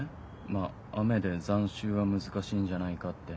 まあ雨で残臭は難しいんじゃないかって。